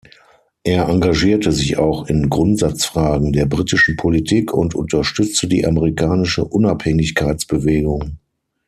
Er engagierte sich auch in Grundsatzfragen der britischen Politik und unterstützte die amerikanische Unabhängigkeitsbewegung.